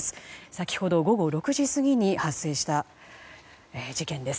先ほど午後６時過ぎに発生した事件です。